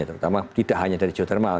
terutama tidak hanya dari geothermal